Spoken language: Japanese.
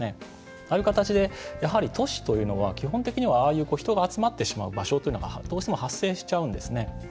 ああいう形で都市というのは基本的には人が集まってしまう場所っていうのがどうしても発生してしまうんですね。